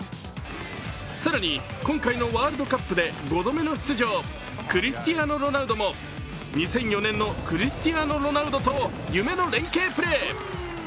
更に、今回のワールドカップで５度目の出場、クリスチアーノ・ロナウドも２００４年のクリスチアーノ・ロナウドと夢の連係。